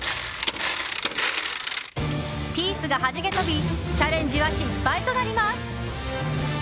ピースがはじけ飛びチャレンジは失敗となります。